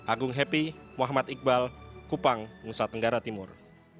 agung happy muhammad iqbal kupang nusa tenggara timur